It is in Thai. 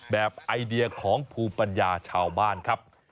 แบบไอเดียของภูมิปัญญาชาวบ้านครับ